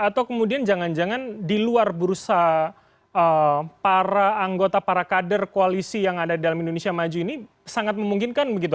atau kemudian jangan jangan di luar bursa para anggota para kader koalisi yang ada di dalam indonesia maju ini sangat memungkinkan begitu